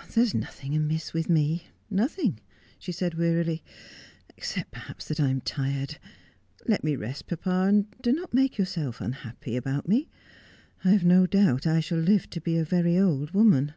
' There is nothing amiss with me — nothing,' she said wearily, ' except perhaps that I am tired. Let me rest, papa, and do not make yourself unhappy about me. I have no doubt I shall live to be a very old woman.